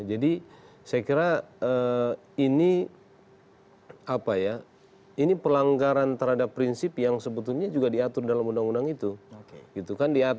jadi saya kira ini pelanggaran terhadap prinsip yang sebetulnya juga diatur dalam undang undang itu